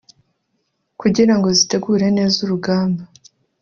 kugirango zitegure neza urugamba